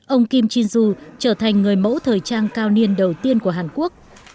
ông kim jin jo trở thành người mẫu thời trang cao niên đầu tiên của hàn quốc